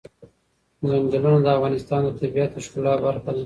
ځنګلونه د افغانستان د طبیعت د ښکلا برخه ده.